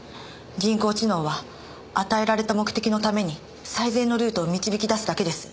人工知能は与えられた目的のために最善のルートを導き出すだけです。